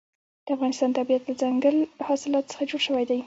د افغانستان طبیعت له دځنګل حاصلات څخه جوړ شوی دی.